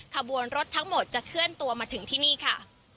ขบวนรถทั้งหมดจะเคลื่อนตัวมาถึงที่นี่ค่ะ